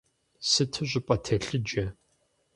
Сыту щӀыпӀэ телъыджэ!